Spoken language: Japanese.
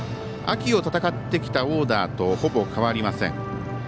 秋を戦ってきたオーダーとほぼ変わりません。